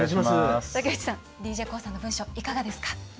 竹内さん、ＤＪＫＯＯさんの文章いかがですか？